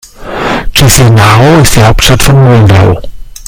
Chișinău ist die Hauptstadt von Moldau.